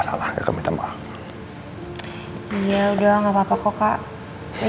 sampai ketemu pak makasih